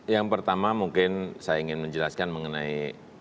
yang pertama mungkin saya ingin menjelaskan mengenai